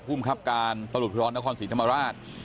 ภูมิครับการประหลุดพิร้อนนครศรีธรรมราช